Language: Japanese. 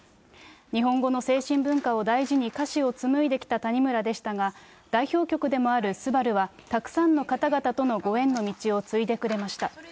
日本語の精神文化を大事に歌詞を紡いできた谷村でしたが、代表曲でもある昴は、たくさんの方々とのご縁の道を継いでくれました。